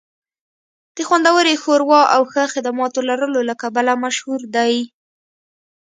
د خوندورې ښوروا او ښه خدماتو لرلو له کبله مشهور دی